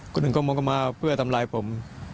คุณลุงก็มองเขามาเพื่อทำร้ายผม